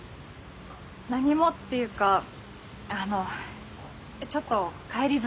何もっていうかあのちょっと帰りづらくて。